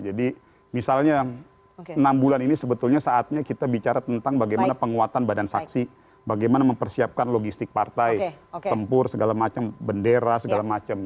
jadi misalnya enam bulan ini sebetulnya saatnya kita bicara tentang bagaimana penguatan badan saksi bagaimana mempersiapkan logistik partai tempur segala macam bendera segala macam